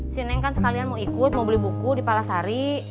sineng kan sekalian mau ikut mau beli buku di palasari